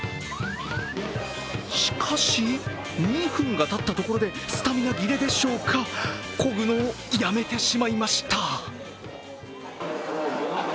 しかし２分がたったところで、スタミナ切れでしょうか、こぐのをやめてしまいました。